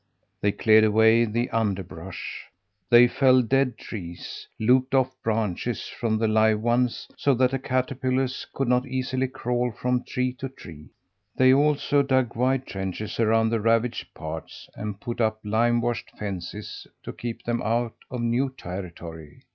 They cleared away the underbrush. They felled dead trees, lopped off branches from the live ones so that the caterpillars could not easily crawl from tree to tree; they also dug wide trenches around the ravaged parts and put up lime washed fences to keep them out of new territory.